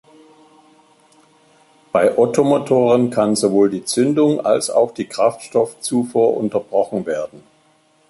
Bei Ottomotoren kann sowohl die Zündung, als auch die Kraftstoffzufuhr unterbrochen werden.